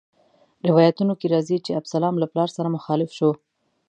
روایتونو کې راځي چې ابسلام له پلار سره مخالف شو.